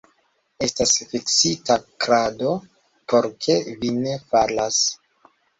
Estas fiksita krado, por ke vi ne falas!